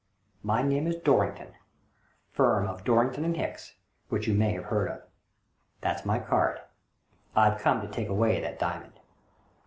My name is Dorrington — firm of Dorrington & Hicks, which you may have heard of. That's my card. I've come to take away that diamond."